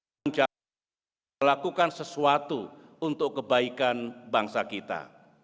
dan kita harus melakukan sesuatu untuk kebaikan bangsa kita